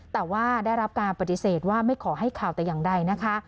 แต่ว่าได้รับการปฏิเสธว่าไม่ขอให้ข่าวแต่อย่างใดนะคะ